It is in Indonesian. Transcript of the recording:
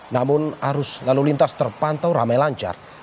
namun arus lalu lintas terpantau ramai lancar